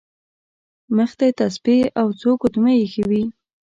مخې ته یې تسبیح او څو ګوتمۍ ایښې وې.